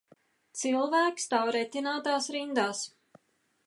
Cilvēki stāv retinātās rindās.